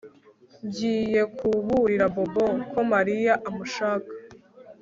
Ngiye kuburira Bobo ko Mariya amushaka